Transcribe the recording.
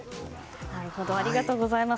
ありがとうございます。